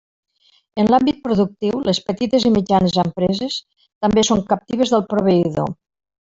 En l'àmbit productiu, les petites i mitjanes empreses també són captives del proveïdor.